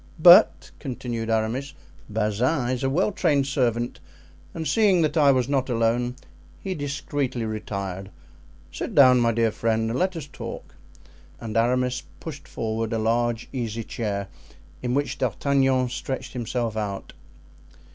"But," continued Aramis, "Bazin is a well trained servant, and seeing that I was not alone he discreetly retired. Sit down, my dear friend, and let us talk." And Aramis pushed forward a large easy chair, in which D'Artagnan stretched himself out.